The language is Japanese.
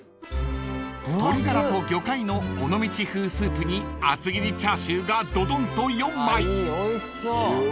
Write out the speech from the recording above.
［鶏がらと魚介の尾道風スープに厚切りチャーシューがどどんと４枚］よ！